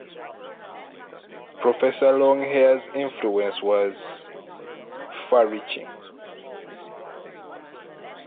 Professor Longhair's influence was ... far reaching.